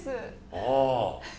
ああ。